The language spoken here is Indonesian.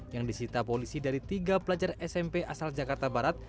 yang disita polisi dari tiga pelajar smp asal jakarta barat